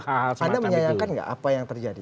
hal hal semacam itu anda menyayangkan gak apa yang terjadi